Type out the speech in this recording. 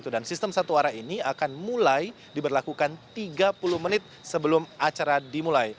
dan sistem satu arah ini akan mulai diberlakukan tiga puluh menit sebelum acara dimulai